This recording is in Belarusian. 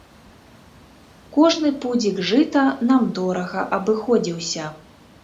Кожны пудзік жыта нам дорага абыходзіўся.